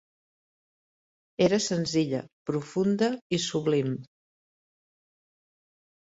Era senzilla, profunda i sublim.